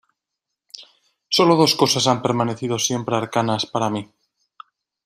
sólo dos cosas han permanecido siempre arcanas para mí: